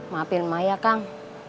maafin emak ya kang